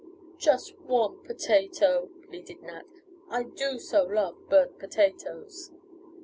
"Just one potato," pleaded Nat. "I do so love burnt potatoes."